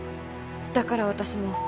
だから私も。